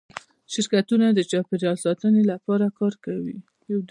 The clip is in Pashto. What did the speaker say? شرکتونه د چاپیریال ساتنې لپاره کار کوي؟